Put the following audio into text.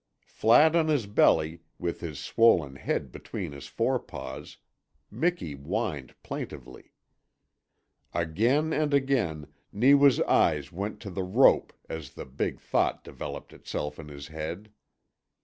Flat on his belly, with his swollen head between his fore paws, Miki whined plaintively. Again and again Neewa's eyes went to the rope as the big thought developed itself in his head.